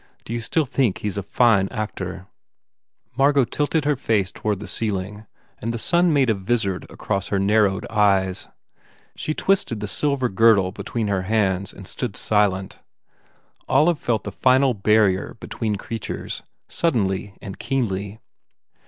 Do you still think he s a fine actor?" Margot tilted her face toward the ceiling and the sun made a visard across her narrowed eyes. She twisted the silver girdle between her hands and stood silent. Olive felt the final barrier be tween creatures, suddenly and keenly.